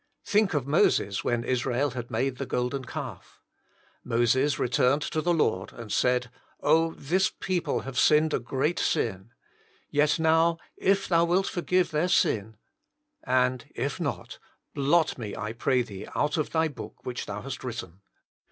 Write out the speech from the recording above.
Think of Moses when Israel had made the golden calf. Moses returned to the Lord and said, " Oh, this people have sinned a great sin. Yet now, if Thou wilt forgive their sin ; and if not, blot me, I pray Thee, out of Thy book which Thou hast written."